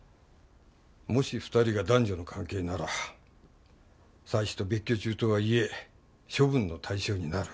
もし２人が男女の関係なら妻子と別居中とはいえ処分の対象になる。